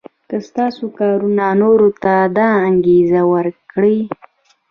که ستاسو کارونه نورو ته دا انګېزه ورکړي.